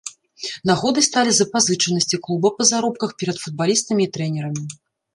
Нагодай сталі запазычанасці клуба па заробках перад футбалістамі і трэнерамі.